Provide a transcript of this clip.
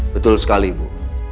betul sekali ibu